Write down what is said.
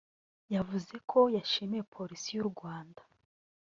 yavuze ko yashimye Polisi y’u Rwanda